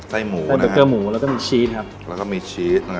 ใกล้มีเบอร์เกอร์หมูและมีชีส